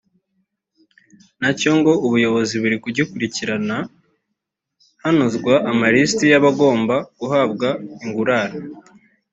na cyo ngo ubuyobozi buri kugikurikirana hanozwa amarisiti y’abagomba guhabwa ingurane